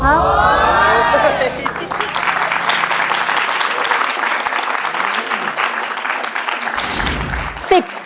เมื่อกี๊